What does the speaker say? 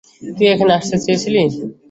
তুই এখানে আসতে চেয়েছিলি?